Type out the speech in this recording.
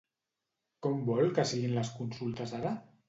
Com vol que siguin les consultes ara?